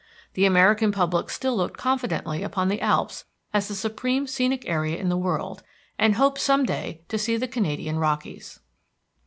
The American public still looked confidently upon the Alps as the supreme scenic area in the world, and hoped some day to see the Canadian Rockies.